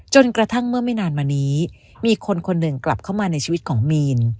จนกระทั่งเมื่อไม่นานมานี้มีคนคนหนึ่งกลับเข้ามาในชีวิตของมีน